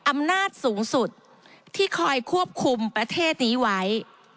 อำนาจสูงสุดที่คอยควบคุมประเทศนี้ไว้